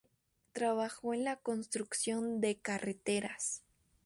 Trabajó en la construcción de carreteras.